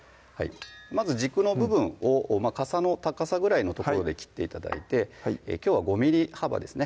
まず軸の部分をかさの高さぐらいの所で切って頂いてきょうは５ｍｍ幅ですね